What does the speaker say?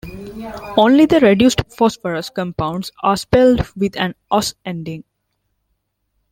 Only the reduced phosphorus compounds are spelled with an "ous" ending.